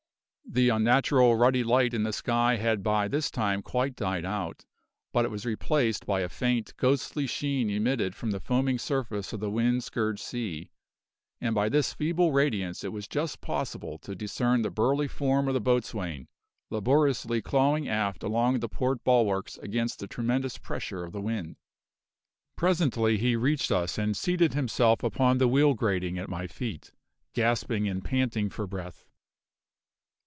The unnatural, ruddy light in the sky had by this time quite died out, but it was replaced by a faint, ghostly sheen emitted by the foaming surface of the wind scourged sea, and by this feeble radiance it was just possible to discern the burly form of the boatswain laboriously clawing aft along the port bulwarks against the tremendous pressure of the wind. Presently he reached us and seated himself upon the wheel grating at my feet, gasping and panting for breath.